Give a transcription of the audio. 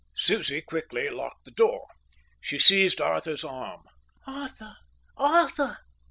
Susie quickly locked the door. She seized Arthur's arm. "Arthur, Arthur."